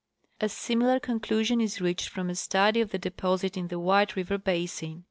A similar con clusion is reached from a study of the deposit in the White River basin.